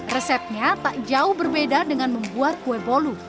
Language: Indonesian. resepnya tak jauh berbeda dengan membuat kue bolu